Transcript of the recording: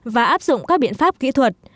và áp dụng các biện pháp kỹ thuật